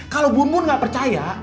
kalau bun bun gak percaya